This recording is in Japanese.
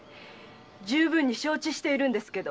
十分に承知しているんですけど。